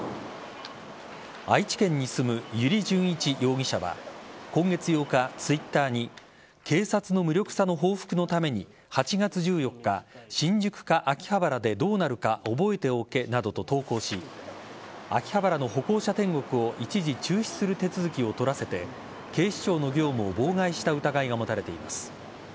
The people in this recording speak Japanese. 愛知県に住む油利潤一容疑者は今月８日、Ｔｗｉｔｔｅｒに警察の無力さの報復のために８月１４日、新宿か秋葉原でどうなるか覚えておけなどと投稿し秋葉原の歩行者天国を一時中止する手続きをとらせて警視庁の業務を妨害した疑いが持たれています。